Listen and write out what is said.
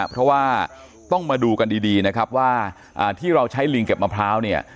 เพราะว่าต้องมาดูกันดีนะครับว่าที่เราใช้ลิงเก็บมะพร้าวเนี่ย